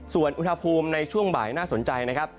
ส่วนอุณหภูมิในช่วงบ่ายน่าสนใจนะครับ